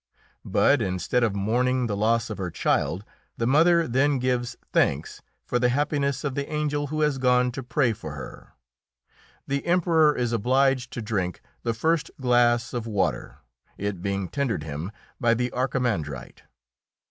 But instead of mourning the loss of her child, the mother then gives thanks for the happiness of the angel who has gone to pray for her. The Emperor is obliged to drink the first glass of water, it being tendered him by the Archimandrite.